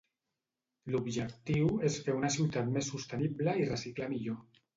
L'objectiu és fer una ciutat més sostenible i reciclar millor.